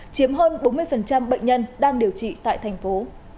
chiếm hơn bốn mươi bệnh nhân đang điều trị tại thành phố